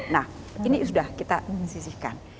nah ini sudah kita sisihkan